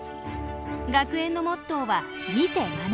学園のモットーは「見て学べ」。